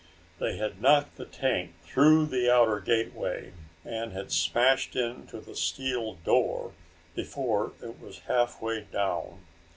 They had knocked the tank through the outer gateway and had smashed into the steel door before it was halfway down.